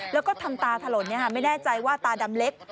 แล้วก็ทำตาถล่อนเนี่ยค่ะไม่แน่ใจว่าตาดำเล็ก